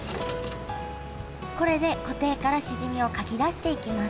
これで湖底からしじみをかき出していきます